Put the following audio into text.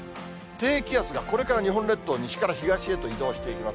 低気圧がこれから日本列島を西から東へと移動していきます。